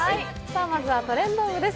まずは「トレンド部」です。